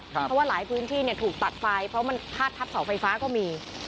เพราะว่าหลายพื้นที่ถูกตัดไฟเพราะมันพาดทับเสาไฟฟ้าก็มี